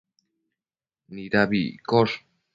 Nidabida iccosh?